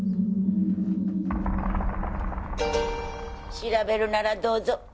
調べるならどうぞ。